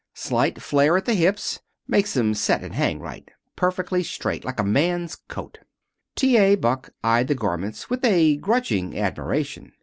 Slight flare at the hips. Makes 'em set and hang right. Perfectly straight, like a man's coat." T. A. Buck eyed the garments with a grudging admiration.